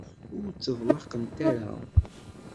Ur tteḍlaqent ara.